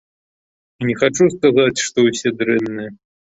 Не хачу сказаць, што ўсе дрэнныя.